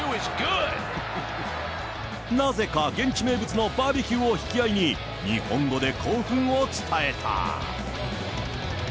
なぜか現地名物のバーベキューを引き合いに、日本語で興奮を伝えた。